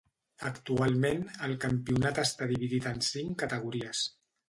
Actualment el campionat està dividit en cinc categories.